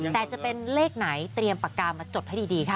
แต่จะเป็นเลขไหนเตรียมปากกามาจดให้ดีค่ะ